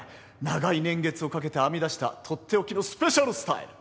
長い年月をかけて編み出したとっておきのスペシャルスタイル。